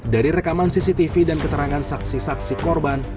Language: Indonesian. dari rekaman cctv dan keterangan saksi saksi korban